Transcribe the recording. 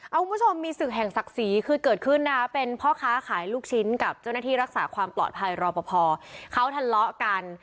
เอาคุณผู้ชมมีศึกแห่งศักดิ์ศรีคือเกิดขึ้นนะเป็นพ่อค้าขายลูกชิ้นกับเจ้าหน้าที่รักษาความปลอดภัยรอปภเขาทะเลาะกัน